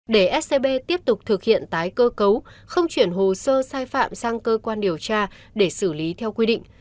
để scb tiếp tục thực hiện tái cơ cấu không chuyển hồ sơ sai phạm sang cơ quan điều tra để xử lý theo quy định